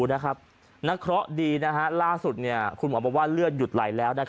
นักเคราะห์ดีล่าสุดคุณหมอบอกว่าเลือดหยุดไหลแล้ว